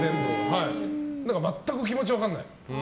だから全く気持ち分からない。